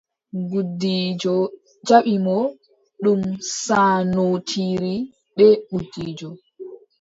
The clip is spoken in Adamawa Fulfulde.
Gudiijo jaɓɓi mo, ɗum saanootiri bee gudiijo.